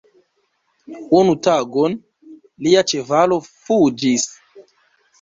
Unu tagon, lia ĉevalo fuĝis.